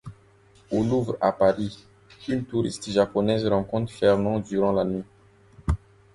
Au Louvre à Paris, une touriste japonaise rencontre Fernand durant la nuit.